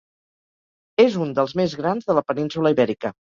És l'un dels més grans de la península Ibèrica.